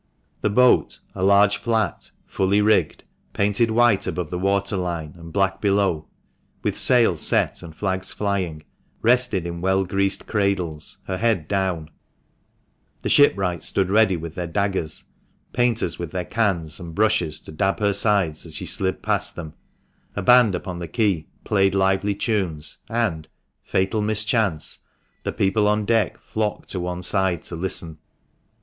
The boat, a large flat, fully rigged, painted white above the water line, and black below, with sails set and flags flying, rested in well greased cradles, her head down ; the shipwrights stood ready with their daggers ; painters with their cans and brushes to dab her sides as she slid past them ; a band upon the quay played lively tunes, and (fatal mischance) the people on deck flocked to one side to listen.